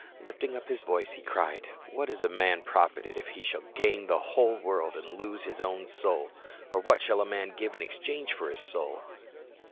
Lifting up His voice He cried, "What is a man profited, if he shall gain the whole world, and lose his own soul? or what shall a man give in exchange for his soul?"